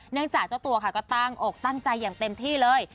จากเจ้าตัวค่ะก็ตั้งอกตั้งใจอย่างเต็มที่เลย